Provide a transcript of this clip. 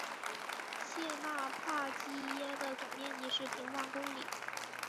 谢讷帕基耶的总面积为平方公里。